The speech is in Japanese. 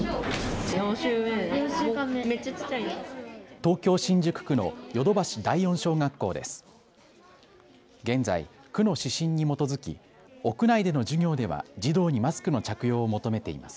東京新宿区の淀橋第四小学校です。